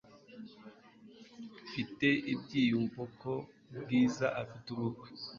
Mfite ibyiyumvo ko Bwiza afite ubukwe